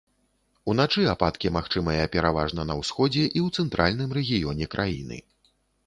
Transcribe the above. Уначы ападкі магчымыя пераважна на ўсходзе і ў цэнтральным рэгіёне краіны.